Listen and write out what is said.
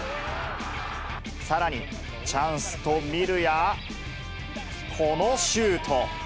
さらにチャンスと見るや、このシュート。